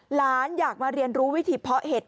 หลานอยากมาเรียนรู้วิธีเพาะเห็ด